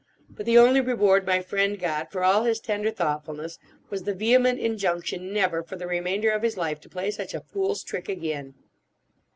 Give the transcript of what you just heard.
But the only reward my friend got for all his tender thoughtfulness was the vehement injunction never for the remainder of his life to play such a fool's trick again.